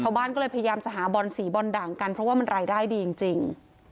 ชาวบ้านก็เลยพยายามจะหาบอลสีบอลด่างกันเพราะว่ามันรายได้ดีจริง